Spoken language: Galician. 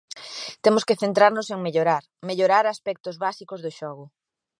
Temos que centrarnos en mellorar, mellorar aspectos básicos do xogo.